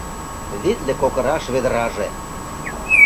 Витле кокыраш ведраже